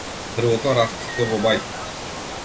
Дрвото расцуте во мај.